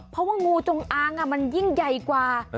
เพราะว่างูจงอางมันยิ่งใหญ่กว่า